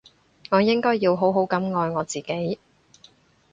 我應該要好好噉愛我自己